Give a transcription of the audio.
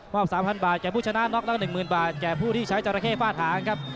๓๐๐บาทแก่ผู้ชนะน็อกแล้วก็๑๐๐บาทแก่ผู้ที่ใช้จราเข้ฝ้าถางครับ